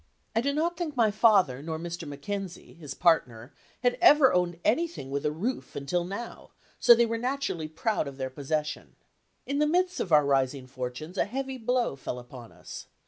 I do not think my father nor Mr. McKenzie (his partner) had ever owned anything with a roof until now, so they were naturally proud of their possession. In the midst of our rising fortunes a heavy blow fell upon us.